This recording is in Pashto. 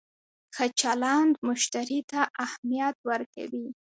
ښه چلند مشتری ته اهمیت ورکوي.